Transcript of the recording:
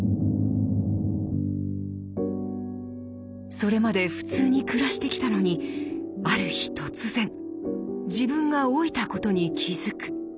それまで普通に暮らしてきたのにある日突然自分が老いたことに気付く。